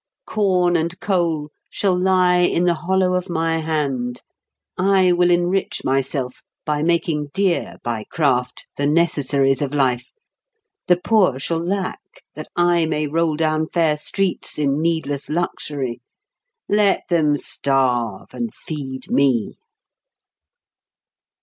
Corn and coal shall lie in the hollow of my hand. I will enrich myself by making dear by craft the necessaries of life; the poor shall lack, that I may roll down fair streets in needless luxury. Let them starve, and feed me!"